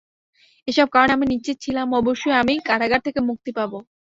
এসব কারণে আমি নিশ্চিত ছিলাম, অবশ্যই আমি কারাগার থেকে মুক্তি পাব।